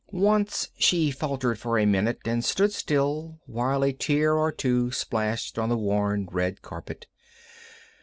Once she faltered for a minute and stood still while a tear or two splashed on the worn red carpet.